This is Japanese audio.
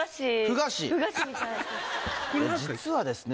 実はですね